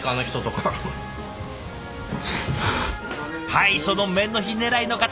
はいその「麺の日狙いの方」